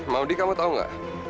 modi kamu tahu gak